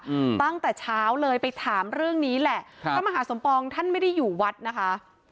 ตั้งแต่เช้าเลยไปถามเรื่องนี้แหละครับพระมหาสมปองท่านไม่ได้อยู่วัดนะคะ